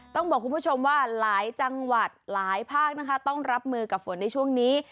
ต้องบอกคุณผู้ชมว่าหลายจังหวัดหลายภาคนะคะต้องรับมือกับฝนในช่วงนี้